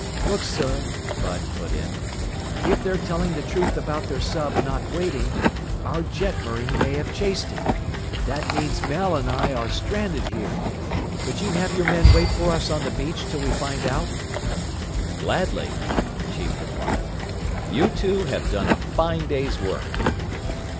"Look, sir," Bud put in, "if they're telling the truth about their sub not waiting, our jetmarine may have chased it. That means Mel and I are stranded here. Could you have your men wait for us on the beach till we find out?" "Gladly," the chief replied. "You two have done a fine day's work."